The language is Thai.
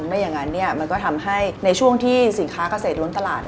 ไม่อย่างนั้นมันก็ทำให้ในช่วงที่สินค้าเกษตรล้นตลาด